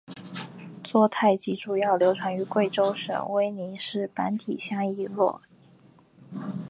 撮泰吉主要流传于贵州省威宁县板底乡以裸戛村寨为中心的彝族山寨。